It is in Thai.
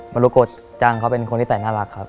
มลุโก๊ะจังเขาเป็นคนที่ใส่น่ารักค่ะ